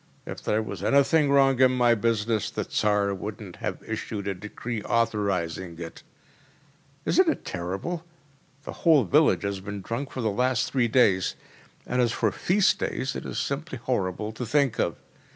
If there was anything wrong in my business, the Tsar wouldn’t have issued a decree authorising it.’ Isn’t it terrible? The whole village has been drunk for the last three days. And as for feast days, it is simply horrible to think of!